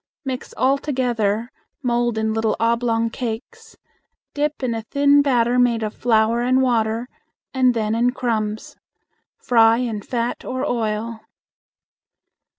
Mix all together, mold in little oblong cakes, dip in a thin batter made of flour and water, and then in crumbs. Fry in fat or oil.